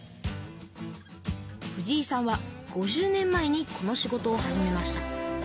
藤井さんは５０年前にこの仕事を始めました。